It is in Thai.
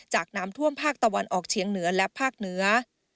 จากน้ำท่วมภาคตะวันออกเฉียงเหนือและภาคเหนือ